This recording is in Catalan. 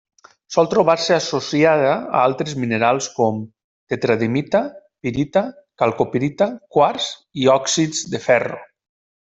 Sol trobar-se associada a altres minerals com: tetradimita, pirita, calcopirita, quars i òxids de ferro.